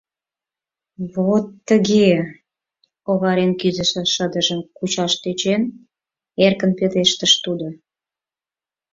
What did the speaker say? — Вот тыге... — оварен кӱзышӧ шыдыжым кучаш тӧчен, эркын пелештыш тудо.